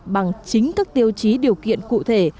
bằng chính các tiêu chí điều kiện cụ thể